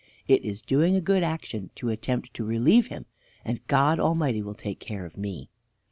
It is doing a good action to attempt to relieve him, and God Almighty will take care of me."